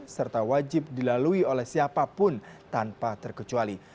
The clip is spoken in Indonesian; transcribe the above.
serta wajib dilalui oleh siapapun tanpa terkecuali